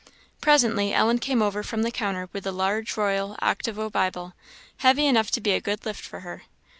Presently Ellen came over from the counter with a large royal octavo Bible, heavy enough to be a good lift for her.